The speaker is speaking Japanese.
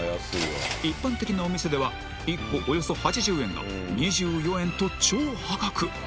一般的なお店では１個およそ８０円が２４円と超破格